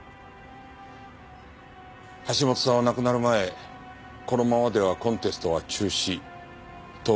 橋本さんは亡くなる前このままではコンテストは中止と言っていたそうです。